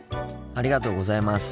ありがとうございます。